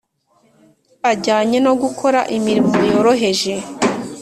ajyanye no gukora imirimo yoroheje.